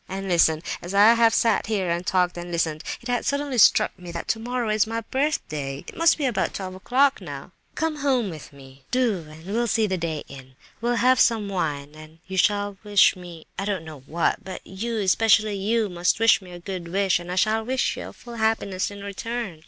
And listen: as I have sat here, and talked, and listened, it has suddenly struck me that tomorrow is my birthday. It must be about twelve o'clock, now; come home with me—do, and we'll see the day in! We'll have some wine, and you shall wish me—I don't know what—but you, especially you, must wish me a good wish, and I shall wish you full happiness in return.